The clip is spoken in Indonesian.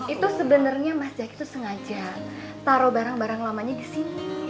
itu sebenarnya mas jack itu sengaja taruh barang barang lamanya di sini